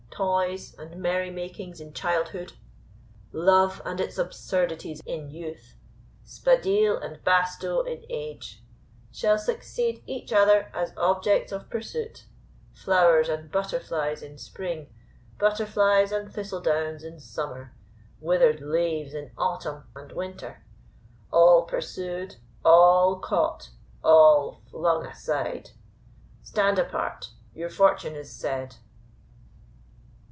Toys and merry makings in childhood love and its absurdities in youth spadille and basto in age, shall succeed each other as objects of pursuit flowers and butterflies in spring butterflies and thistle down in summer withered leaves in autumn and winter all pursued, all caught, all flung aside. Stand apart; your fortune is said."